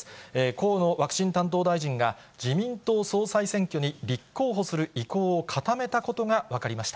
河野ワクチン担当大臣が、自民党総裁選挙に立候補する意向を固めたことが分かりました。